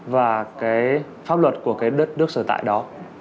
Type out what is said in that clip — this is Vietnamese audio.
và pháp luật của các đất nước sở tại đó